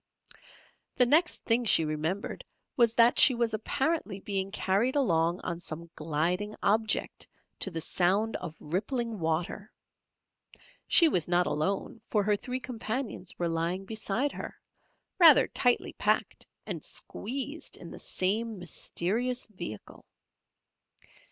The next thing she remembered was that she was apparently being carried along on some gliding object to the sound of rippling water. She was not alone, for her three companions were lying beside her, rather tightly packed and squeezed in the same mysterious vehicle.